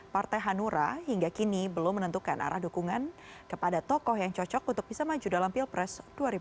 partai hanura hingga kini belum menentukan arah dukungan kepada tokoh yang cocok untuk bisa maju dalam pilpres dua ribu dua puluh